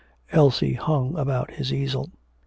Elsie hung about his easel.